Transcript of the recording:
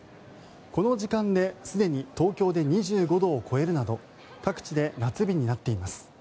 この時間ですでに東京で２５度を超えるなど各地で夏日になっています。